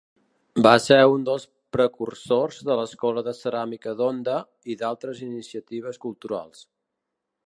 Va ser un dels precursors de l'Escola de Ceràmica d'Onda i d'altres iniciatives culturals.